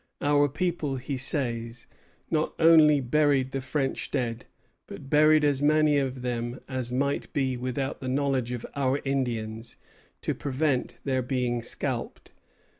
"Our people," he says, "not only buried the French dead, but buried as many of them as might be without the knowledge of our Indians, to prevent their being scalped.